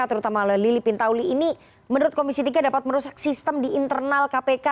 terutama oleh lili pintauli ini menurut komisi tiga dapat merusak sistem di internal kpk